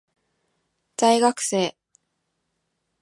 在学生